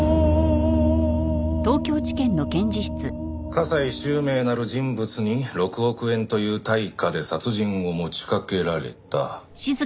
加西周明なる人物に６億円という対価で殺人を持ちかけられた。